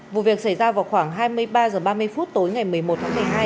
vụ việc xảy ra vào khoảng hai mươi ba h ba mươi phút tối ngày một mươi một tháng một mươi hai